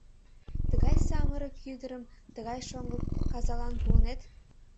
Тыгай самырык ӱдырым тыгай шоҥго казалан пуынет?